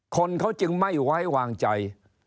คนเขาจึงไม่ไว้วางใจ